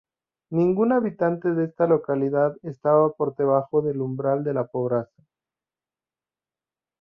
Ningún habitante de esta localidad estaba por debajo del umbral de pobreza.